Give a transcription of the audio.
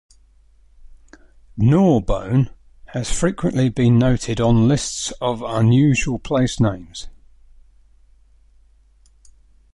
Gnaw Bone has frequently been noted on lists of unusual place names.